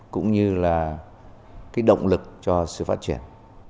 cũng như là cái động lực cho sự phát triển